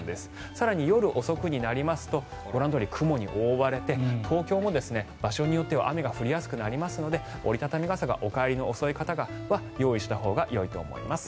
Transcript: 更に夜遅くになりますとご覧のように雲に覆われて東京も場所によっては雨が降り出すので折り畳み傘がお帰りの遅い方は用意したほうがいいと思います。